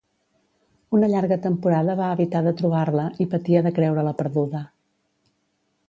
Una llarga temporada va evitar de trobar-la, i patia de creure-la perduda.